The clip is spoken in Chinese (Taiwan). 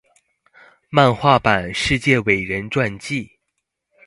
漫畫版世界偉人傳記